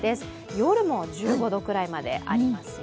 夜も１５度くらいまでありますよ。